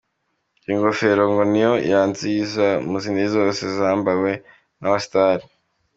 Iyi ngofero ngo niyo ya nziza mu zindi zose zambawe n'abastars.